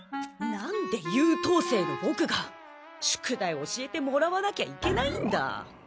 何で優等生のボクが宿題教えてもらわなきゃいけないんだ！